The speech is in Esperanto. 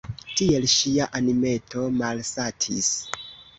Tiel ŝia animeto malsatis.